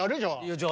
じゃあ。